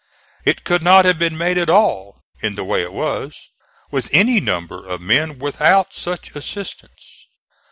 It could not have been made at all, in the way it was, with any number of men without such assistance.